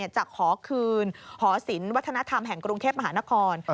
จะขอคืนหอศิลปวัฒนธรรมแห่งกรุงเทพมหานคร